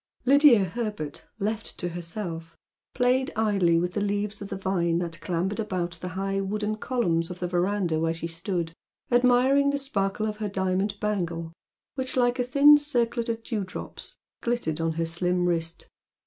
Lydia Herbert, left to herself, played idly with the leaves of the vine that clambered about the high wooden columns of the verandah where she stood, admiring the sparkle of her diamond bangle which, like a thin circlet of dewdrops, glittered on her slim wrist.